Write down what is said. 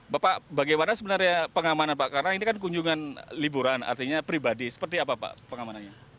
bapak bagaimana sebenarnya pengamanan pak karena ini kan kunjungan liburan artinya pribadi seperti apa pak pengamanannya